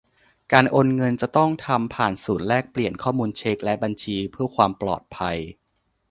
การโอนเงินจะต้องทำผ่านศูนย์แลกเปลี่ยนข้อมูลเช็กและบัญชีเพื่อความปลอดภัย